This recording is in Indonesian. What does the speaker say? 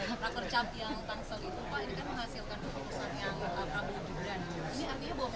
pak percap yang tangsel itu pak ini kan menghasilkan keputusan yang pak prabowo juga